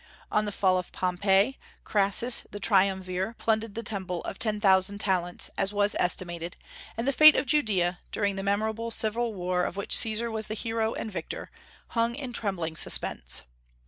On the fall of Pompey, Crassus the triumvir plundered the Temple of ten thousand talents, as was estimated, and the fate of Judaea, during the memorable civil war of which Caesar was the hero and victor, hung in trembling suspense.